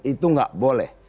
itu tidak boleh